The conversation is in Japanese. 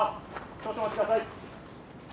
少々お待ち下さい。